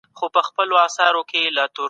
کور مي د بلا په لاس کي وليدی